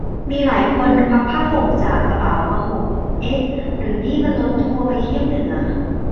มีหลายคนควักผ้าห่มจากกระเป๋ามาห่ม เอ๊ะหรือนี่มันรถทัวร์ไปเที่ยวเหนือ ?